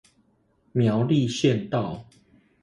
苗栗縣道